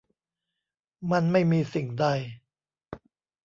มันไม่มีสิ่งใด